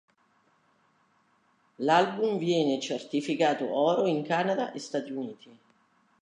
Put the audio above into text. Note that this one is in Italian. L'album viene certificato oro in Canada e Stati Uniti.